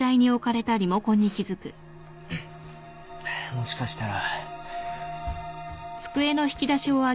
もしかしたら。